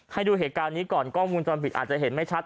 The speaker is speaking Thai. ให้ดูเหตุการณ์นี้ก่อนกล้องมูลจรปิดอาจจะเห็นไม่ชัด